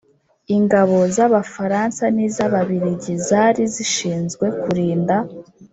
ingabo z'abafaransa n'iz'ababiligi zari zishinzwe kurinda